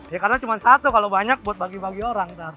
ya karena cuma satu kalau banyak buat bagi bagi orang